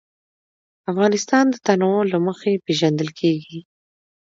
افغانستان د تنوع له مخې پېژندل کېږي.